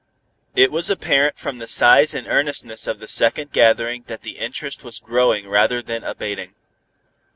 It was apparent from the size and earnestness of the second gathering that the interest was growing rather than abating.